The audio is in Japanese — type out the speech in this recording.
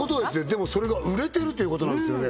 でもそれが売れてるということなんですよね